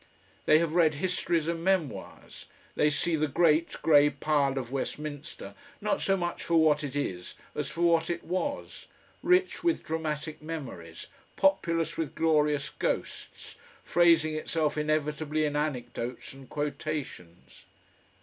They have read histories and memoirs, they see the great grey pile of Westminster not so much for what it is as for what it was, rich with dramatic memories, populous with glorious ghosts, phrasing itself inevitably in anecdotes and quotations.